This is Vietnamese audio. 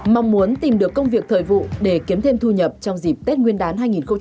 mong muốn tìm được công việc thời vụ để kiếm thêm thu nhập trong dịp tết nguyên đán hai nghìn hai mươi